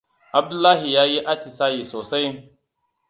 Abdullahi yayi atisaye sosai.